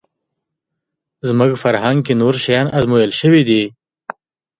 زموږ فرهنګ کې نور شیان ازمویل شوي دي